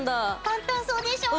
簡単そうでしょ？